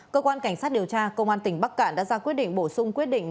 cơ quan cảnh sát điều tra công an tỉnh bắc cạn đã ra quyết định bổ sung quyết định